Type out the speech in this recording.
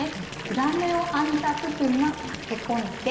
裏目を編んだ部分がへこんで